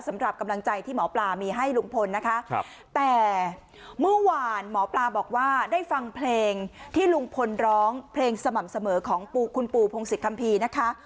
สำหรับกำลังใจที่หมอปลามีให้ลุงพลนะคะแต่เมื่อวานหมอปลาบอกว่าได้ฟังเพลงที่ลุงพลร้องเพลงสม่ำเสมอของคุณปูพงศิษคัมภีร์นะคะ